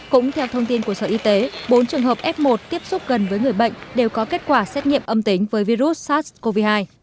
cũng theo thông tin của sở y tế bốn trường hợp f một tiếp xúc gần với người bệnh đều có kết quả xét nghiệm âm tính với virus sars cov hai